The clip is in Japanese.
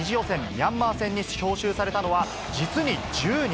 ミャンマー戦に招集されたのは実に１０人。